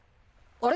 あれ！？